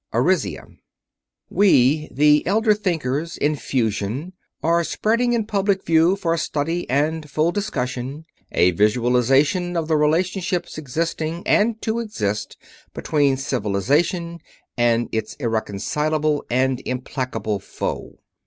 2. ARISIA "We, the Elder Thinkers in fusion, are spreading in public view, for study and full discussion, a visualization of the relationships existing and to exist between Civilization and its irreconcilable and implacable foe.